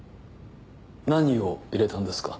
何を入れたんですか？